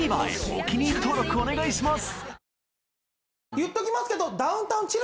お気に入り登録お願いします